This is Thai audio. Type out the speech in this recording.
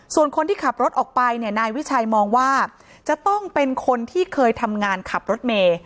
ส่วนคนที่ขับรถออกไปเนี่ยนายวิชัยมองว่าจะต้องเป็นคนที่เคยทำงานขับรถเมย์